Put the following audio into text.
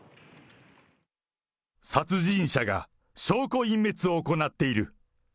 殺人者が証拠隠滅を行っている。